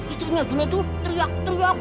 istrinya guna itu teriak teriak